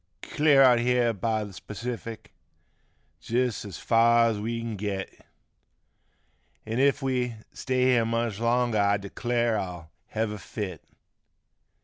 53 Clear out here by th' Pacific, jist as fur as we kin git An' if we stay here much longer I declare I'll hev a fit.